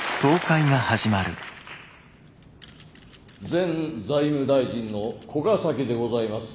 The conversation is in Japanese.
前財務大臣の古ヶ崎でございます。